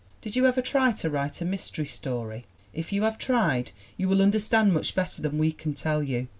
Did you ever try to write a mystery story? If you have tried you will understand much better than we can tell you.